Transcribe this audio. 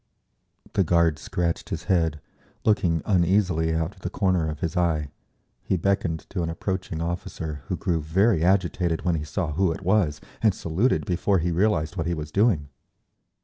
The guard scratched his head, looking uneasily out of the corner of his eye; he beckoned to an approaching officer, who grew very agitated when he saw who it was and saluted before he realised what he was doing.